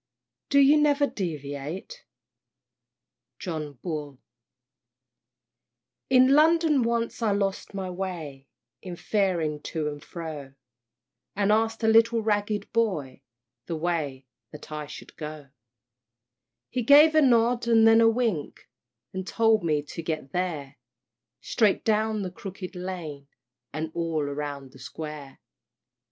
"Do you never deviate?" John Bull. In London once I lost my way In faring to and fro, And ask'd a little ragged boy The way that I should go; He gave a nod, and then a wink, And told me to get there "Straight down the Crooked Lane, And all round the Square."